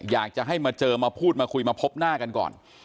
อยากจะให้มาเจอมาพูดมาคุยมาพบหน้ากันก่อน